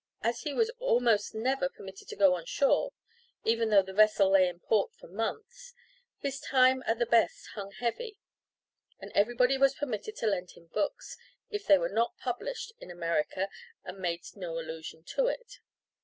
As he was almost never permitted to go on shore, even though the vessel lay in port for months, his time at the best hung heavy; and everybody was permitted to lend him books, if they were not published in America and made no allusion to it.